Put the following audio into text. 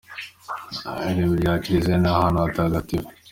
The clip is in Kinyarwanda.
Irimbi rya Kiliziya ni ahantu hatagatifu.